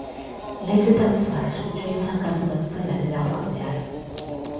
Nahiz eta oso arriskutsua izan kasu batzuetan lanera joan behar.